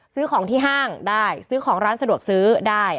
ซื้อของที่ห้างได้ซื้อของร้านสะดวกซื้อได้